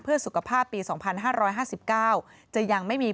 เพื่อสุขภาพปีสองพันห้าร้อยห้าสิบเก้าจะยังไม่มี